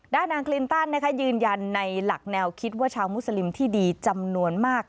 นางคลินตันยืนยันในหลักแนวคิดว่าชาวมุสลิมที่ดีจำนวนมาก